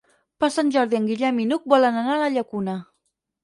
Per Sant Jordi en Guillem i n'Hug volen anar a la Llacuna.